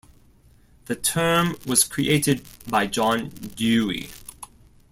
The term was created by John Dewey.